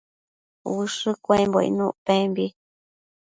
ushë cuembo icnuc pembi